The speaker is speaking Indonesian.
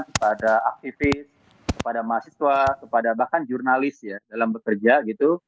kepada aktivis kepada mahasiswa kepada bahkan jurnalis ya dalam bekerja gitu